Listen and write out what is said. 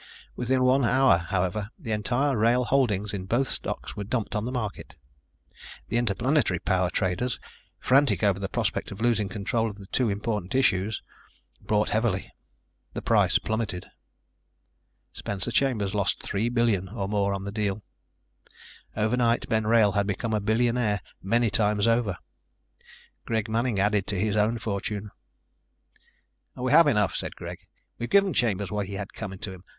Within one hour, however, the entire Wrail holdings in both stocks were dumped on the market. The Interplanetary Power traders, frantic over the prospect of losing control of the two important issues, bought heavily. The price plummeted. Spencer Chambers lost three billion or more on the deal. Overnight Ben Wrail had become a billionaire many times over. Greg Manning added to his own fortune. "We have enough," said Greg. "We've given Chambers what he had coming to him.